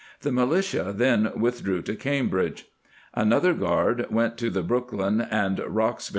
The militia then withdrew to Cambridge. An other guard went to the Brookline and Roxbury * R.